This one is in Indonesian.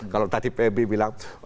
kalau tadi pb bilang